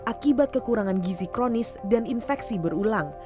akibat kekurangan gizi kronis dan infeksi berulang